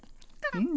うん。